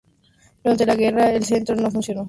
Durante la Guerra el centro no funcionó.